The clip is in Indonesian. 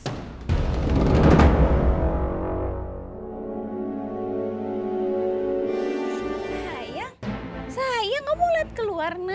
sayang sayang kamu liat keluar nak